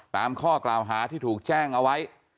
ตามข้อกล่าวหาที่ถูกแจ้งเอาไว้